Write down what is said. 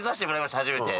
初めて。